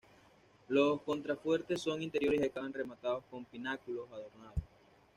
Los contrafuertes son interiores y acaban rematados con pináculos adornados.